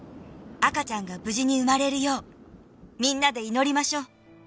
「赤ちゃんが無事に生まれるようみんなで祈りましょう」